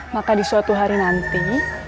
maka di suatu hari nanti